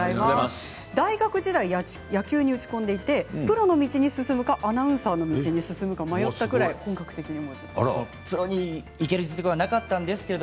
大学時代、野球に打ち込んでいてプロの道に進むかアナウンサーの道に進むか迷ったぐらい本格的なんです。